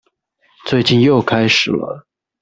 最近又開始了